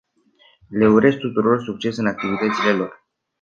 Le urez tuturor succes în activitățile lor.